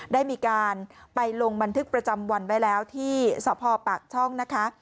ได้มีการไปลงบันทึกประจำวันไว้แล้วที่สพปากช่องนะคะ